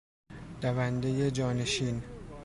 دوندهی جانشین